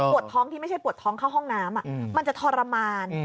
ท้องที่ไม่ใช่ปวดท้องเข้าห้องน้ำมันจะทรมาน